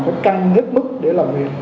phải căng hết mức để làm việc